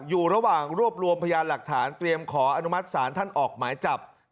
อยู่ระหว่างรวบรวมพยานหลักฐานเตรียมขออนุมัติศาลท่านออกหมายจับ